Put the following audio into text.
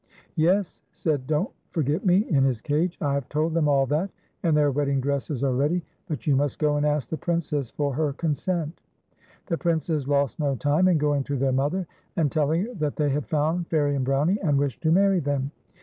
" Yes," said Don't Forget Me, in his cage ;" I have told them all that, and their wedding dresses are ready, but you must go and ask the Princess for her consent." The Princes lost no time in going to their mother, and telling her that they had found Fairie and Brownie, and wished to marry them.